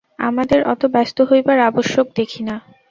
আমাদের অত ব্যস্ত হইবার আবশ্যক দেখি না।